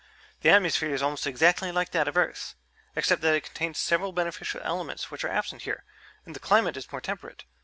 The atmosphere is almost exactly like that of Earth's, except that it contains several beneficial elements which are absent here and the climate is more temperate.